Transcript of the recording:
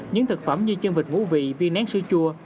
những thực phẩm như chân vịt ngũ vị viên nén sữa chua